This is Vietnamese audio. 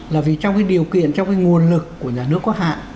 là vì trong cái điều kiện trong cái nguồn lực của nhà nước quốc hạ